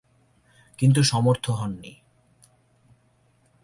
কিন্তু সমর্থ হননি।